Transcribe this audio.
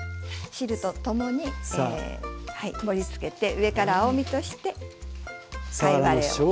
汁と共に盛りつけて上から青みとして貝割れをね。